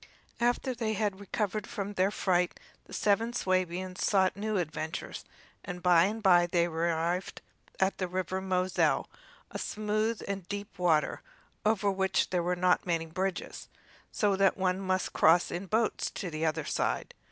After they had recovered from their fright the seven Swabians sought new adventures, and by and by they arrived at the River Moselle, a smooth and deep water, over which there are not many bridges; so that one must cross in boats to the other side.